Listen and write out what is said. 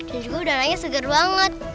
dan juga udaranya segar banget